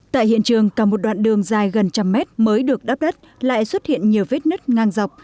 tại hiện trường cả một đoạn đường dài gần một trăm linh mét mới được đắp đất lại xuất hiện nhiều vết nứt ngang dọc